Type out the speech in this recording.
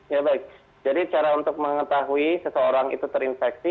ya baik jadi cara untuk mengetahui seseorang itu terinfeksi